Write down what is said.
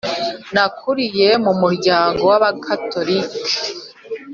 nakuriye mu muryango w ‘abagatolika,